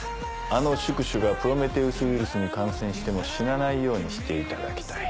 あの宿主がプロメテウス・ウイルスに感染しても死なないようにしていただきたい。